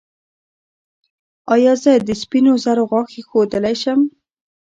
ایا زه د سپینو زرو غاښ ایښودلی شم؟